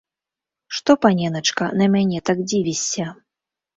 Што, паненачка, на мяне так дзівішся?